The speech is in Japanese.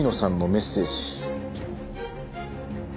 メッセージ？